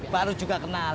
baru juga kenalan